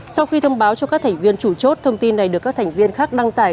sau khi thông báo cho các thành viên chủ chốt thông tin này được các thành viên khác đăng tải